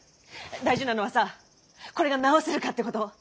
大事なのはさこれが治せるかってこと！